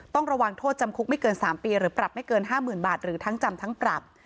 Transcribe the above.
ต้องระวังโทษจำคุกไม่เกิน๓ปีหรือปรับไม่เกิน๕๐๐๐บาทหรือทั้งจำทั้งปรับ